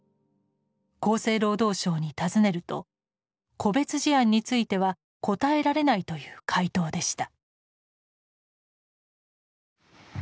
厚生労働省に尋ねると「個別事案については答えられない」という回答でした。